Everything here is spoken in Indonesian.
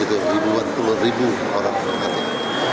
itu ribuan puluh ribu orang